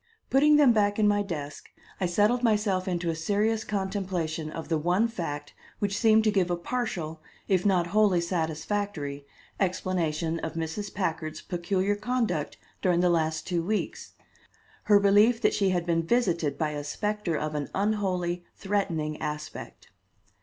Putting them back in my desk, I settled myself into a serious contemplation of the one fact which seemed to give a partial if not wholly satisfactory explanation of Mrs. Packard's peculiar conduct during the last two weeks her belief that she had been visited by a specter of an unholy, threatening aspect.